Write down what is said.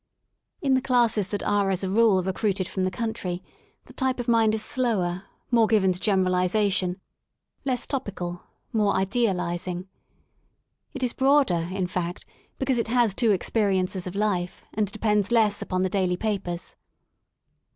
In the classes that are as a rule recruited from the country, the type of mind is slower, more given to generalisation, less 129 K THE SOUL OF LONDON topical^ more ideal ising. It is broader, in fact, because it has two experiences of life, and depends less upon the daily papers.